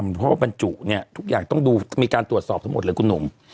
เพราะว่าบรรจุเนี่ยทุกอย่างต้องดูมีการตรวจสอบทั้งหมดเลยคุณหนุ่ม